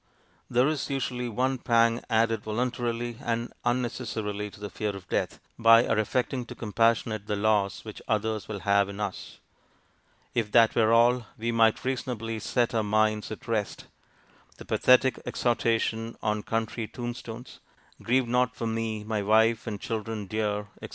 There is usually one pang added voluntarily and unnecessarily to the fear of death, by our affecting to compassionate the loss which others will have in us. If that were all, we might reasonably set our minds at rest. The pathetic exhortation on country tombstones, 'Grieve not for me, my wife and children dear,' etc.